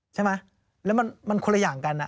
ใช่ไหมแล้วมันคนละอย่างกัน